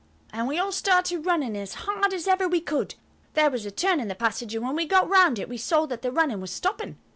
And we all started running as hard as ever we could. There was a turn in the passage, and when we got round it, we saw that the running was stopping.